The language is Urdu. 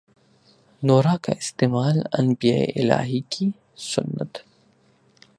نورہ کا استعمال انبیائے الہی کی سنت